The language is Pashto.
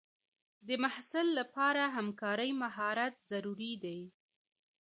د محصل لپاره همکارۍ مهارت ضروري دی.